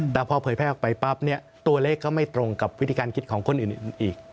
แต่พอเผยแพร่ออกไปปั๊บเนี่ยตัวเลขก็ไม่ตรงกับวิธีการคิดของคนอื่นอีก